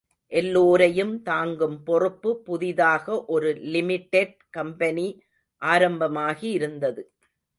எல்லோரையும் தாங்கும் பொறுப்பு புதிதாக ஒரு லிமிடெட் கம்பெனி ஆரம்பமாகி இருந்தது.